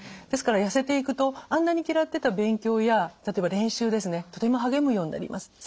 ですから痩せていくとあんなに嫌ってた勉強や例えば練習ですねとても励むようになります。